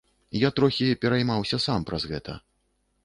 Я трохі пераймаўся сам праз гэта.